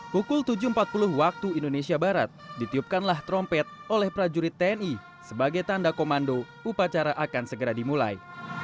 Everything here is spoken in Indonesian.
pukul tujuh empat puluh waktu indonesia barat ditiupkanlah trompet oleh prajurit tni sebagai tanda komando upacara akan segera dimulai